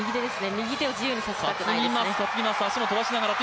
右手を自由にさせたくないですね。